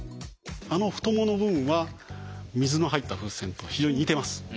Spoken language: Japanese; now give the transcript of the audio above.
あの太ももの部分は水の入った風船と非常に似てます。